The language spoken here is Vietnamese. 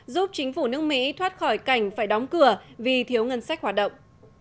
giúp chính phủ nước mỹ thoát khỏi cảnh phải đóng cửa vì thiếu ngân sách hoạt động